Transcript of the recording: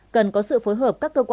cần có sự phối hợp các cơ quan